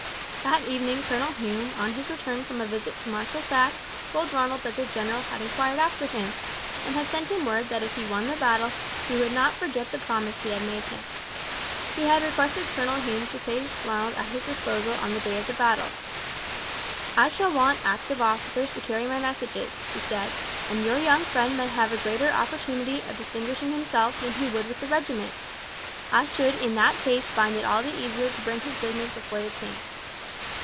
That evening Colonel Hume on his return from a visit to Marshal Saxe told Ronald that the general had inquired after him, and had sent him word that if he won the battle he would not forget the promise he had made him. He had requested Colonel Hume to place Ronald at his disposal on the day of the battle. "'I shall want active officers to carry my messages,' he said, 'and your young friend may have a greater opportunity of distinguishing himself than he would with the regiment. I should in that case find it all the easier to bring his business before the king.'